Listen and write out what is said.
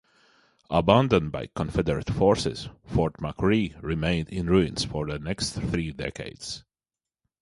Abandoned by Confederate forces, Fort McRee remained in ruins for the next three decades.